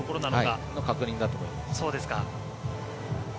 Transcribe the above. その確認だと思います。